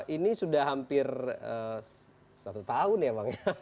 ini sudah hampir satu tahun ya bang